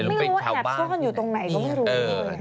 ไม่รู้ว่าแอบซ่อนอยู่ตรงไหนก็ไม่รู้